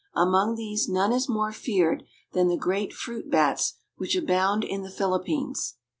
Among these none is more feared than the great fruit bats which abound in the Philippines.